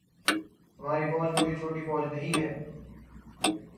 ہماری فوج کوئی چھوٹی فوج نہیں ہے۔